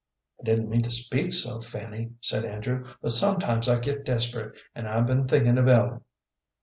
"I didn't mean to speak so, Fanny," said Andrew, "but sometimes I get desperate, and I've been thinking of Ellen."